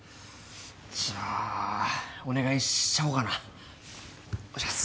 じゃあお願いしちゃおうかなお願いします